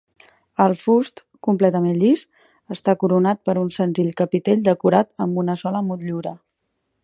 El fust, completament llis, està coronat per un senzill capitell decorat amb una sola motllura.